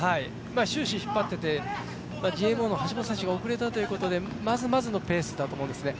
終始引っ張っててＧＭＯの橋本選手が遅れたということでまずまずのペースだと思うんですね。